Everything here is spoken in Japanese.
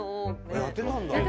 やってたんだ。